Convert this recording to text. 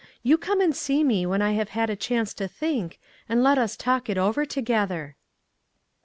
You come and see me when I have had a chance to think, and let us talk it over together."